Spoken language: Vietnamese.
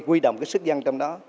quy động cái sức dân trong đó